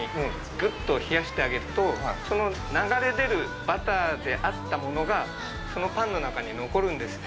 ぐっと冷やしてあげると、その流れ出るバターであったものが、そのパンの中に残るんですよ。